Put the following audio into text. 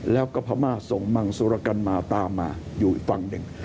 แล้วก็พม่าส่งมังสุรกันมาตามมาอยู่อีกฝั่งหนึ่ง